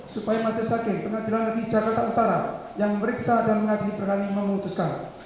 supaya masyarakat sajeng pengadilan negeri jakarta utara yang meriksa dan mengadili pertandingan memutuskan